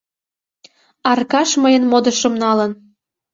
— Аркаш мыйын модышым налын...